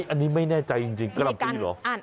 อันนี้ไม่แน่ใจจริงกะหล่ำปีเหรอ